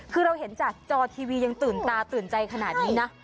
คือเราเห็นจากจอทีวียังตื่นตาตื่นใจขนาดนี้นะ